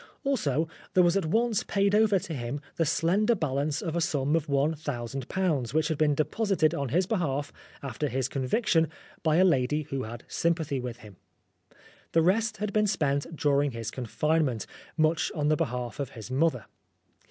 Also there was at once paid over 221 Oscar Wilde to him the slender balance of a sum of one thousand pounds, which had been deposited on his behalf, after his conviction, by a lady who had sympathy with him. The rest had been spent during his confinement, much on behalf of his mother.